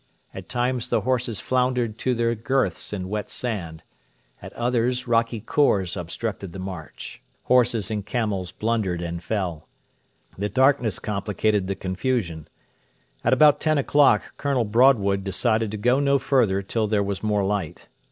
At times the horses floundered to their girths in wet sand; at others rocky khors obstructed the march; horses and camels blundered and fell. The darkness complicated the confusion. At about ten o'clock Colonel Broadwood decided to go no further till there was more light.